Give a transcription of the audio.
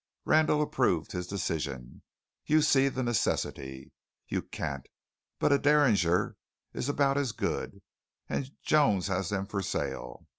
Randall approved his decision. "You see the necessity. You can't. But a derringer is about as good, and Jones has them for sale.